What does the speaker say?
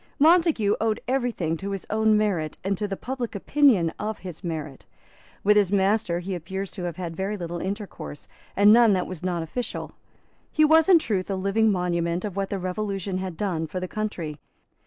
Montague owed every thing to his own merit and to the public opinion of his merit. With his master he appears to have had very little intercourse, and none that was not official. He was in truth a living monument of what the Revolution had done for the Country.